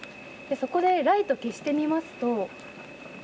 そこでライトを消してみますと。